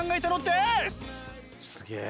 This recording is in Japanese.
すげえ。